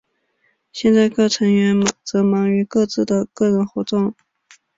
现在各成员则忙于各自的个人活动。